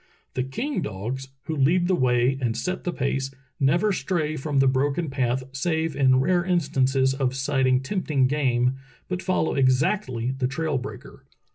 The king dogs, who lead the way and set the pace, never stray from the broken path save in rare instances of sighting tempting game, but follow exactly the trail breaker.